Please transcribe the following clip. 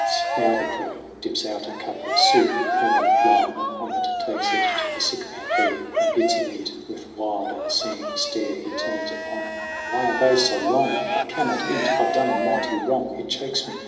JAMIE 119 Now the crone Dips out a cup of soup, and having blown Upon it, takes it to the sick man there And bids him eat. With wild, unseeing stare He turns upon her :" Why are they so long ? I can not eat ! I've done a mighty wrong; It chokes me